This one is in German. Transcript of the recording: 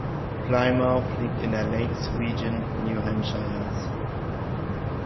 Plymouth liegt in der „Lakes Region“ New Hampshires.